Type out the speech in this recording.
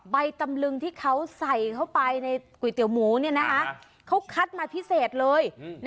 ใบตำลึงที่เขาใส่เข้าไปในก๋วยเตี๋ยวหมูเขาคัดมาพิเศษเลย